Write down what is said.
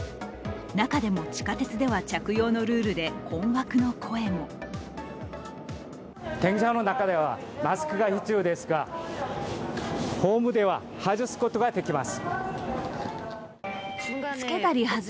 中でも地下鉄では着用のルールで困惑の声も電車の中ではマスクが必要ですが、ホームでは外すことができます。